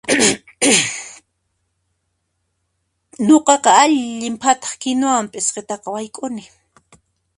Nuqaqa allin phataq kinuwawan p'isqita wayk'ukuni.